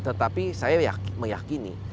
tetapi saya meyakini